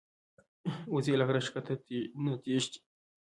وزې له غره ښکته نه تښتي